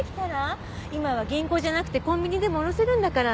今は銀行じゃなくてコンビニでも下ろせるんだから。